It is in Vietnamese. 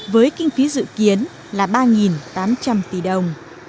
với kinh phí dự kiến là ba tám trăm linh tỷ đồng